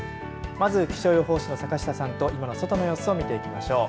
まず気象予報士の坂下さんと今の外の様子を見ていきましょう。